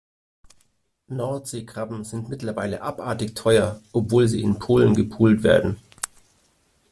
Nordseekrabben sind mittlerweile abartig teuer, obwohl sie in Polen gepult werden.